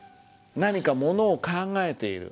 何かものを考えている。